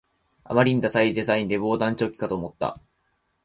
あまりにダサいデザインで防弾チョッキかと思った